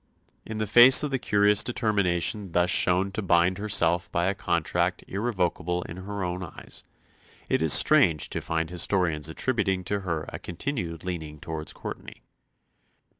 In the face of the curious determination thus shown to bind herself by a contract irrevocable in her own eyes, it is strange to find historians attributing to her a continued leaning towards Courtenay.